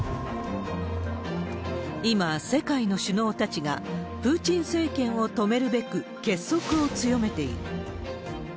今、世界の首脳たちがプーチン政権を止めるべく、結束を強めている。